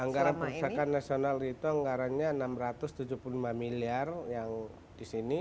anggaran perpustakaan nasional itu anggarannya rp enam ratus tujuh puluh lima miliar yang di sini